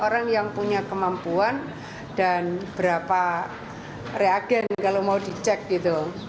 orang yang punya kemampuan dan berapa reagen kalau mau dicek gitu